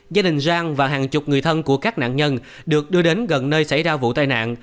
gia đình rang và hàng chục người thân của các nạn nhân được đưa đến gần nơi xảy ra vụ tai nạn